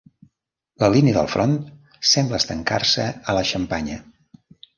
La línia del Front sembla estancar-se a la Xampanya.